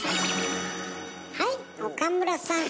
はい岡村さん。